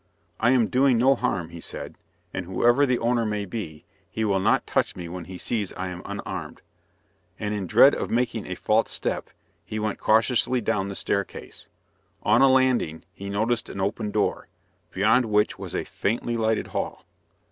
"I am doing no harm," he said, "and whoever the owner may be, he will not touch me when he sees I am unarmed," and in dread of making a false step, he went cautiously down the staircase. On a landing, he noticed an open door, beyond which was a faintly lighted hall.